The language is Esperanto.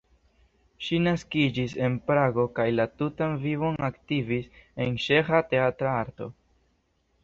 Ŝi naskiĝis en Prago kaj la tutan vivon aktivis en ĉeĥa teatra arto.